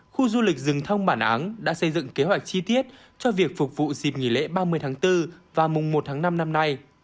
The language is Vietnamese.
khu du lịch rừng thông bản áng đã xây dựng kế hoạch chi tiết cho việc phục vụ dịp nghỉ lễ ba mươi tháng bốn và mùng một tháng năm năm nay